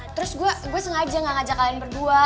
terus gue sengaja gak ngajak kalian berdua